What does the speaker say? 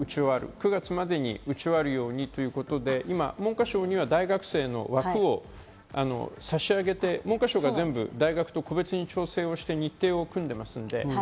９月までに打ち終わるようにということで、文科省には大学生の枠を差し上げて、文科省が大学と個別に調整して日程を組んでいます。